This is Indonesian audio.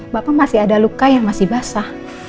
bapak masih ada luka yang masih basah